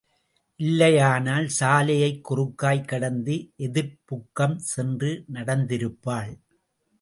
இல்லையானால் சாலையைக் குறுக்காய் கடந்து எதிர்ப்புக்கம் சென்று, நடந்திருப்பாள்.